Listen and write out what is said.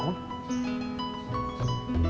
kak rosnya ipin upin ceng